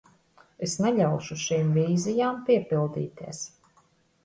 Es neļaušu šīm vīzijām piepildīties.